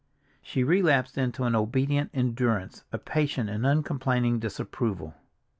She relapsed into an obedient endurance, a patient and uncomplaining disapproval.